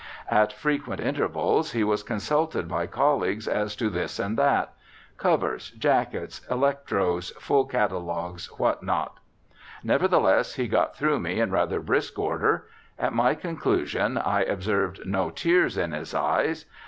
At frequent intervals he was consulted by colleagues as to this and that: covers, jackets, electros, fall catalogues, what not? Nevertheless, he got through me in rather brisk order. At my conclusion I observed no tears in his eyes.